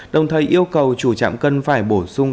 đồng thời yêu cầu chủ trạm cân phải bổ sung